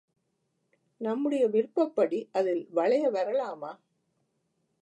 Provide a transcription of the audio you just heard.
நம்முடைய விருப்பப்படி அதில் வளைய வரலாமா?